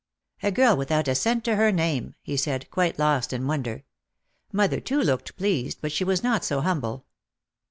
"A girl without a cent to her name," he said, quite lost in wonder. Mother too looked pleased, but she was not so humble.